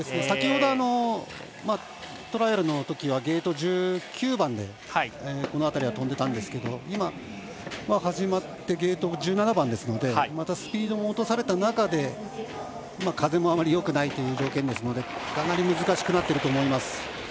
先ほどトライアルのときはゲート１９番で、この辺りは飛んでたんですけど、始まってゲート１７番ですのでスピードもまた落とされた中で風もあまりよくないという条件ですのでかなり難しくなってると思います。